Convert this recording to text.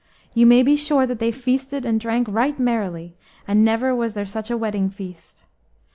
You may be sure that they feasted and drank right merrily, and never was there such a wedding feast.